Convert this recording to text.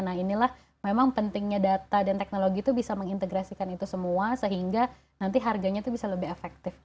nah inilah memang pentingnya data dan teknologi itu bisa mengintegrasikan itu semua sehingga nanti harganya itu bisa lebih efektif